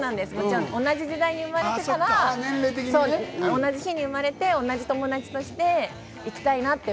同じ時代に生まれていたら同じ日に生まれて同じ友達としていきたいなって